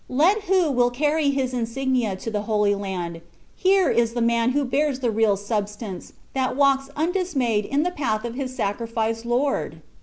Let who will carry his insignia to the Holy Land, here is the man who bears the real substance, that walks undismayed in the path of his sacrificed Lord!"